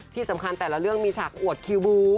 ที่สำคัญแต่ละเรื่องมีฉากอวดคิวบู๊